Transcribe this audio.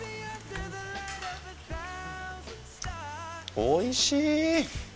おいしい！